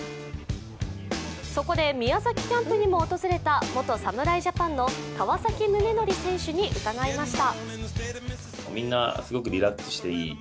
そこで宮崎キャンプにも訪れた元侍ジャパンの川崎宗則選手に伺いました。